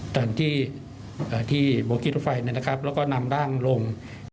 สถานที่เอ่อที่โบรกิรถไฟนะครับแล้วก็นำร่างลง